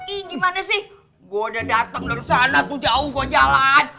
ih gimana sih gua udah dateng dari sana tuh jauh gua jalan